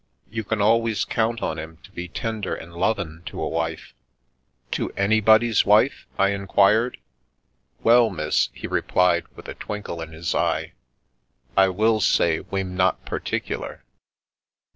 You can always count on him to be tender and lovin' to a wife." To anybody's wife?" I inquired. Well, miss," he replied, with a twinkle in his eye, I will say we'm not particular